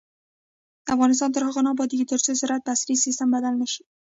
افغانستان تر هغو نه ابادیږي، ترڅو زراعت په عصري سیستم بدل نشي.